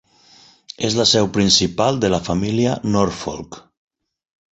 És la seu principal de la família Norfolk.